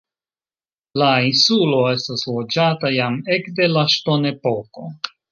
La insulo estas loĝata jam ekde la ŝtonepoko.